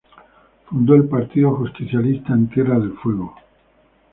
Fundó el Partido Justicialista en Tierra del Fuego.